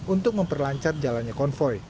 untuk memperlancat jalannya konvoi